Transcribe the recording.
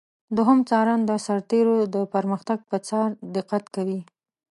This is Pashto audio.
دوهم څارن د سرتیرو د پرمختګ پر څار دقت کوي.